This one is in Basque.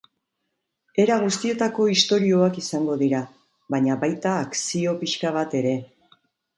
Era guztietako istorioak izango dira, baina baita akzio pixka bat ere.